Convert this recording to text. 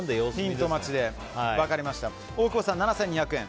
大久保さん、７２００円。